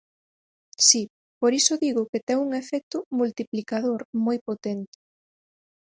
Si, por iso digo que ten un efecto multiplicador moi potente.